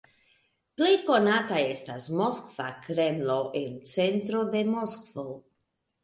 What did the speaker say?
Plej konata estas Moskva Kremlo en centro de Moskvo.